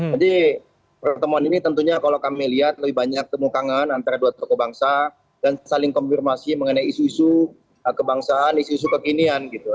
jadi pertemuan ini tentunya kalau kami lihat lebih banyak temukan antara dua tokoh bangsa dan saling konfirmasi mengenai isu isu kebangsaan isu isu kekinian gitu